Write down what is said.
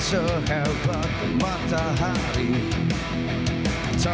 satu penuh realmente yang dituhkan